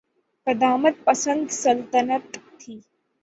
قدامت پسند سلطنت تھی۔